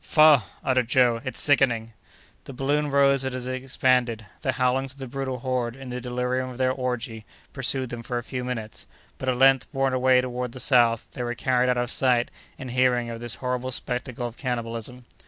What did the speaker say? "Faugh!" uttered Joe, "it's sickening." The balloon rose as it expanded; the howlings of the brutal horde, in the delirium of their orgy, pursued them for a few minutes; but, at length, borne away toward the south, they were carried out of sight and hearing of this horrible spectacle of cannibalism.